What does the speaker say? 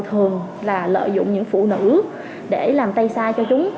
thường là lợi dụng những phụ nữ để làm tay sai cho chúng